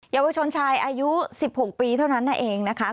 เยาวชนชายอายุ๑๖ปีเท่านั้นนั่นเองนะคะ